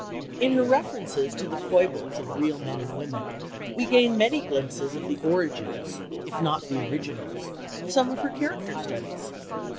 In her references to the foibles of real men and women we gain many glimpses of the origins if not the originals of some of her character studies.